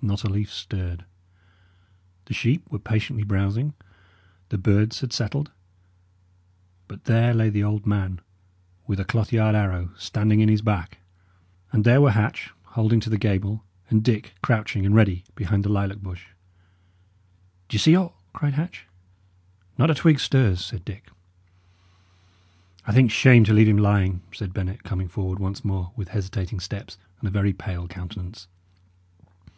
Not a leaf stirred. The sheep were patiently browsing; the birds had settled. But there lay the old man, with a cloth yard arrow standing in his back; and there were Hatch holding to the gable, and Dick crouching and ready behind the lilac bush. "D'ye see aught?" cried Hatch. "Not a twig stirs," said Dick. "I think shame to leave him lying," said Bennet, coming forward once more with hesitating steps and a very pale countenance.